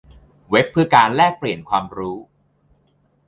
เว็บเพื่อการแลกปลี่ยนความรู้